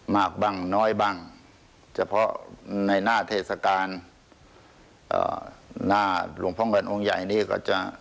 มากบ้างน้อยบ้างเฉพาะในหน้าเทศกาลหน้าหลวงพ่อเงินองค์ใหญ่นี้ก็จะ